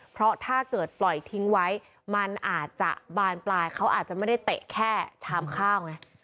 เพราะถ้าเกิดปล่อยทิ้งไว้มันอาจจะบานปลายเขาอาจจะไม่ได้เตะแค่ชามข้าวไง